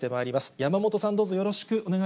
山元さん、どうぞよろしくお願い